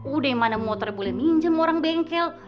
udah mana motornya boleh minjem orang bengkel